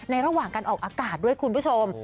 ระหว่างการออกอากาศด้วยคุณผู้ชม